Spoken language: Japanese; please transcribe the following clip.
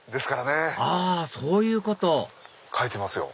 あそういうこと書いてますよ。